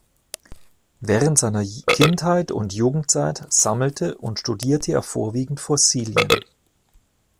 Während seiner Kindheit und Jugendzeit sammelte und studierte er vorwiegend Fossilien.